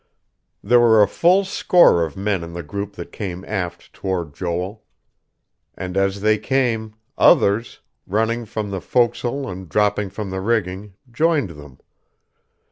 There were a full score of men in the group that came aft toward Joel. And as they came, others, running from the fo'c's'le and dropping from the rigging, joined them.